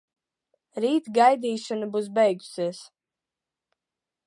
Rīt gaidīšana būs beigusies.